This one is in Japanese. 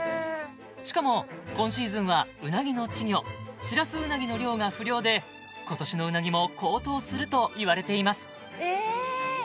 しかも今シーズンはうなぎの稚魚シラスウナギの漁が不漁で今年のうなぎも高騰すると言われていますえーっ？